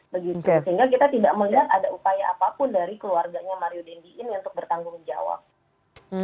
sehingga kita tidak melihat ada upaya apapun dari keluarganya mario dendi ini untuk bertanggung jawab